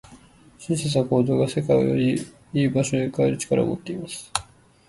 親切な行動が、世界をより良い場所に変える力を持っています。